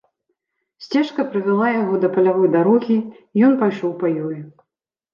Сцежка прывяла яго да палявой дарогі, і ён пайшоў па ёй.